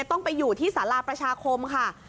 ต้องไปอยู่ที่สาราประชาคมค่ะ